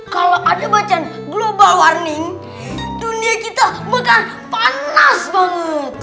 kalau ada bacaan global warning dunia kita megah panas banget